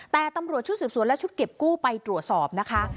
แต่ตำรวจชุดสืบสวนและชุดเก็บกู้ไปตรวจสอบนะคะ